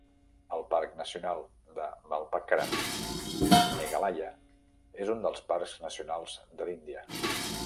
El parc nacional Balpakram, Meghalaya, és un dels parcs nacionals de l'Índia.